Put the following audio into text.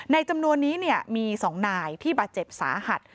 จำนวนนี้มี๒นายที่บาดเจ็บสาหัส